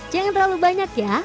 jangan terlalu banyak ya